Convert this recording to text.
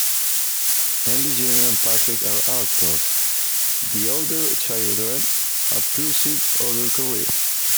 Andy Junior and Patrick are actors; the other children have pursued other careers.